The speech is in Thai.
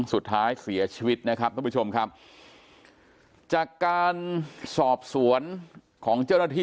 สุดท้ายเสียชีวิตนะครับทุกผู้ชมครับจากการสอบสวนของเจ้าหน้าที่